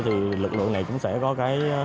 thì lực lượng này cũng sẽ có cái